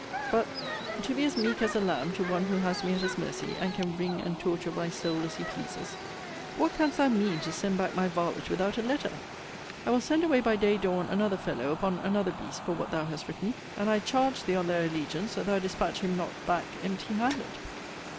But, to be as meek as a lamb to one who has me at his mercy, and can wring and torture my soul as he pleases, What canst thou mean to send back my varlet without a letter? I will send away by day dawn another fellow upon another beast for what thou hast written; and I charge thee on thy allegiance, that thou dispatch him not back empty handed.